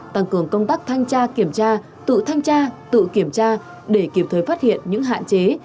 tăng cường công tác thanh tra kiểm tra tự thanh tra tự kiểm tra để kịp thời phát hiện những hạn chế